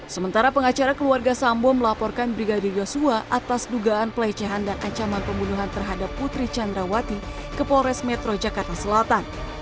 sementara pengacara keluarga sambo melaporkan brigadir yosua atas dugaan pelecehan dan ancaman pembunuhan terhadap putri candrawati ke polres metro jakarta selatan